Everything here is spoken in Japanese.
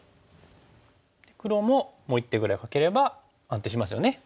黒ももう一手ぐらいかければ安定しますよね。